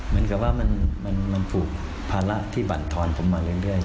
เหมือนกับว่ามันผูกภาระที่บรรทอนผมมาเรื่อย